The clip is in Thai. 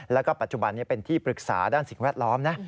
แล้วก็ปัจจุบันนี้เป็นที่ปรึกษาด้านสิ่งแวดล้อมนะ